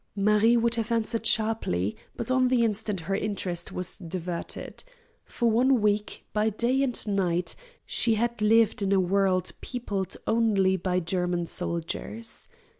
Marie would have answered sharply, but on the instant her interest was diverted. For one week, by day and night, she had lived in a world peopled only by German soldiers.